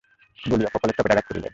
বলিয়া কপালে চপেটাঘাত করিলেন।